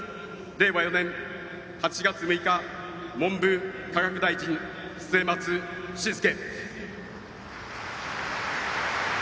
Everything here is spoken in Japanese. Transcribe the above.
令和４年８月６日文部科学大臣、末松信介。